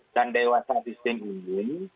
dan dewasa disimulasi